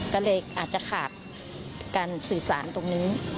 ก็เลยอาจจะขาดการสื่อสารตรงนี้